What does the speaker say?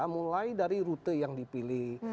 mulai dari rute yang dipilih